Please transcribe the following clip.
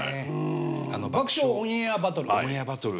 「爆笑オンエアバトル」。